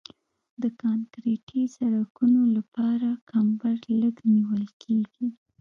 د کانکریټي سرکونو لپاره کمبر لږ نیول کیږي